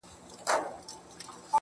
جنت سجده کي دی جنت په دې دنيا کي نسته_